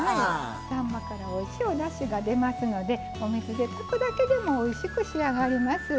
さんまからおいしいおだしが出ますのでお水で炊くだけでもおいしく仕上がります。